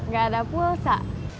gak ada pulsa